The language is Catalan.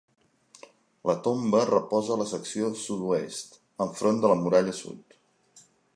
La tomba reposa a la secció sud-oest, enfront de la muralla sud.